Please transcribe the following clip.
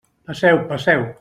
Passeu, passeu.